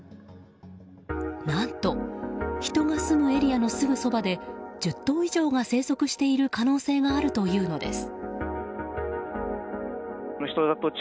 何と人が住むエリアのすぐそばで１０頭以上が生息している可能性があるというのです。